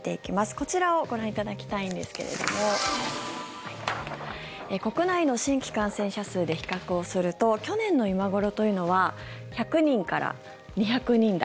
こちらをご覧いただきたいんですけれども国内の新規感染者数で比較すると去年の今頃というのは１００人から２００人台。